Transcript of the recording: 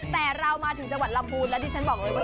แต่เรามาถึงจังหวัดลำพูนแล้วที่ฉันบอกเลยว่า